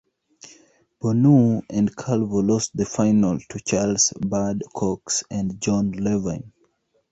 Bonneau and Calvo lost the final to Charles Bud Cox and Jon Levine.